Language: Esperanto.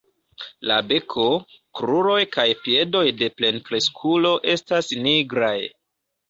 La beko, kruroj kaj piedoj de plenkreskulo estas nigraj.